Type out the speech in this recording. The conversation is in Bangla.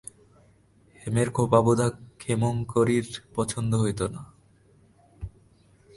হেমের খোঁপাবোঁধা ক্ষেমংকরীর পছন্দ হইত না।